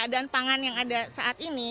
pangan yang ada saat ini